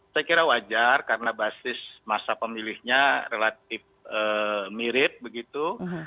saya kira wajar karena basis masa pemilihnya relatif mirip begitu